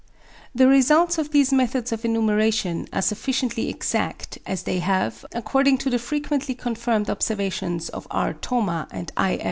The results of these methods of enumeration are sufficiently exact, as they have, according to the frequently confirmed observations of R. Thoma and I.